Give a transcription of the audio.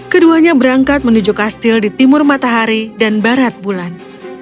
keduanya berangkat menuju kastil di timur matahari dan barat bulan